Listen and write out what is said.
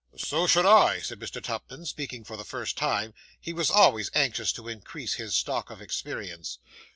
'So should I,' said Mr. Tupman, speaking for the first time. He was always anxious to increase his stock of experience.